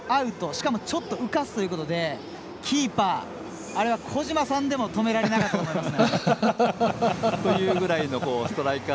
しかもちょっと浮かす、キーパーあれは小島さんでも止められなかったと思います。